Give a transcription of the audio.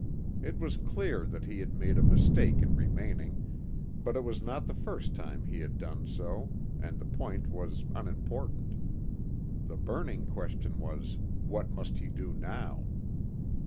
It was clear that he had made a mistake in remaining, but it was not the first time he had done so, and the point was unimportant. The burning question was: What must he do now?